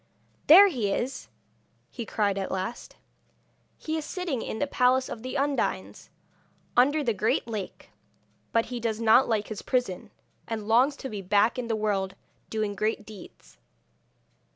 'There he is!' he cried at last. 'He is sitting in the palace of the Undines, under the great lake; but he does not like his prison, and longs to be back in the world, doing great deeds.'